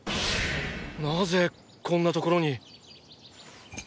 なぜこんな所に！